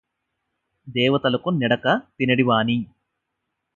దేవతలకు నిడక తినెడివాని